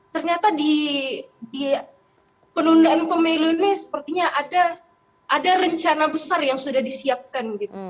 ternyata di penundaan pemilu ini sepertinya ada rencana besar yang sudah disiapkan